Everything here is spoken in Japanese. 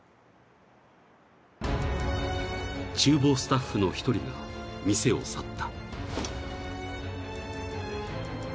［厨房スタッフの１人が店を去った］